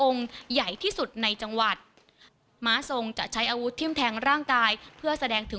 องค์ใหญ่ที่สุดในจังหวัด